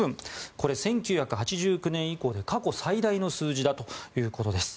これ、１９８９年以降で過去最大の数字ということです。